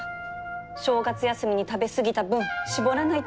正月休みに食べ過ぎた分絞らないと